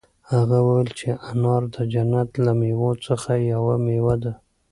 هغه وویل چې انار د جنت له مېوو څخه یوه مېوه ده.